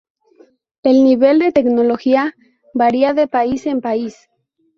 El nivel de tecnología varía de país en país.